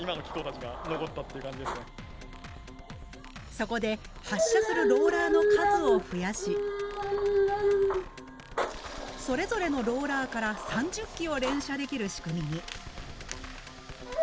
そこで発射するローラーの数を増やしそれぞれのローラーから３０機を連射できる仕組みに。